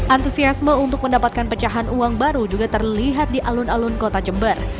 antusiasme untuk mendapatkan pecahan uang baru juga terlihat di alun alun kota jember